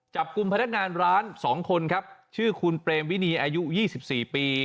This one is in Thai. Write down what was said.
จับกลุ่มพนักงานร้าน๒คนครับชื่อคุณเปรมวินีอายุ๒๔ปี